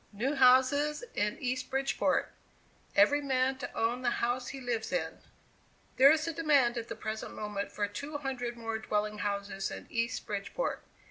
"NEW HOUSES IN EAST BRIDGEPORT. "EVERY MAN TO OWN THE HOUSE HE LIVES IN. "There is a demand at the present moment for two hundred more dwelling houses in East Bridgeport.